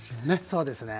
そうですね。